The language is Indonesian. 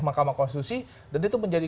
mahkamah konstitusi dan itu menjadi